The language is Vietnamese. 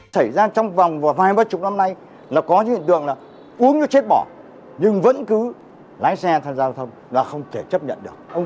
thời gian trong vòng vài ba chục năm nay nó có hiện tượng là uống cho chết bỏ nhưng vẫn cứ nữ sinh tử vong tại chỗ và một số người bị thương